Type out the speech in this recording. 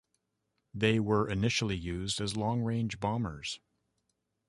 They were initially used as long-range bombers.